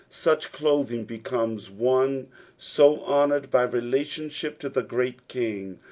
Such clothing becomes one so honoured by relationship to the Great King.